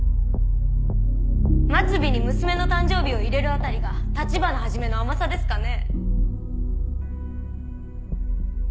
末尾に娘の誕生日を入れるあたりが立花始の甘さですかね。